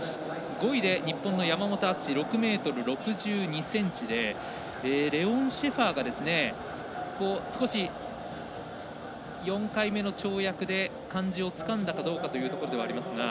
５位で日本の山本篤６ｍ６２ｃｍでレオン・シェファーが少し４回目の跳躍で感じをつかんだかどうかというところではありますが。